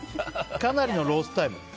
かなりのロスタイム。